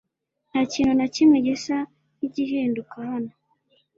Ntakintu na kimwe gisa nkigihinduka hano .